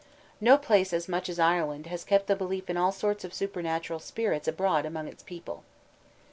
No place as much as Ireland has kept the belief in all sorts of supernatural spirits abroad among its people.